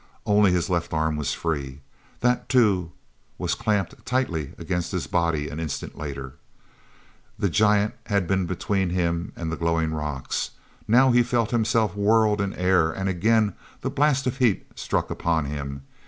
Only his left arm was free. That, too, was clamped tightly against his body an instant later. he giant had been between him and the glowing rocks. Now he felt himself whirled in air, and again the blast of heat struck upon him.